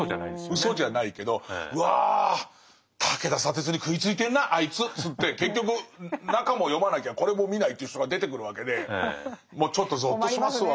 ウソじゃないけど「うわ武田砂鉄に食いついてんなあいつ」っつって結局中も読まなきゃこれも見ないという人が出てくるわけでもうちょっとゾッとしますわ。